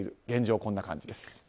現状はこんな感じです。